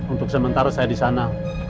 untuk sementara saya di sana